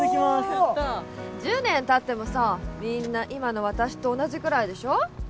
やった１０年たってもさみんな今の私と同じくらいでしょ？